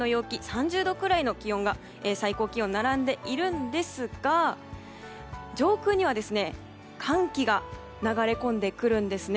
３０度くらいの最高気温が並んでいるんですが上空には寒気が流れ込んでくるんですね。